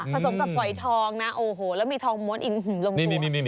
สมกับฝอยทองนะโอ้โหแล้วมีทองม้วนอิ่มลงมา